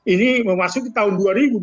ini memasuki tahun dua ribu dua puluh